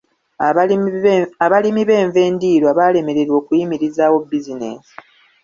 Abalimi b'enva endiirwa baalemererwa okuyimirizaawo bizinensi.